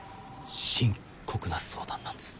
深刻な相談なんです。